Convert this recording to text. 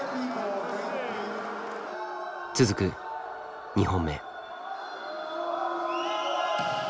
続く２本目。